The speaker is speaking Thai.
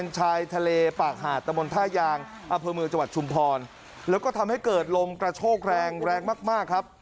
จังหวัดชุมพรแล้วก็ทำให้เกิดลงกระโชคแรงแรงมากครับ